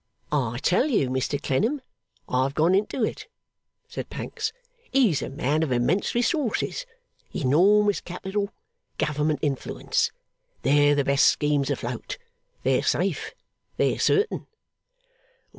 'I tell you, Mr Clennam, I've gone into it,' said Pancks. 'He's a man of immense resources enormous capital government influence. They're the best schemes afloat. They're safe. They're certain.